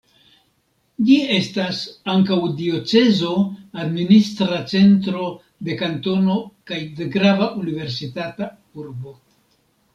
Ĝi estas ankaŭ diocezo, administra centro de kantono kaj grava universitata urbo.